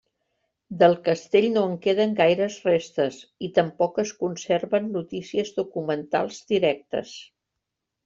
Del castell no en queden gaires restes, i tampoc es conserven notícies documentals directes.